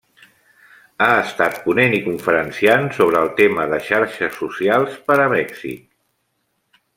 Ha estat ponent i conferenciant sobre el tema de xarxes socials per a Mèxic.